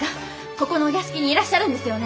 ここのお屋敷にいらっしゃるんですよね？